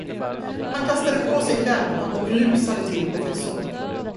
Han kastade på sig kläderna och rusade till professorn.